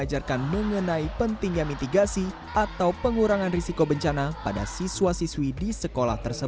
contohnya pendidikan kebencanaan untuk pelajar